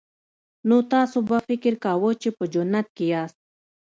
نو تاسو به فکر کاوه چې په جنت کې یاست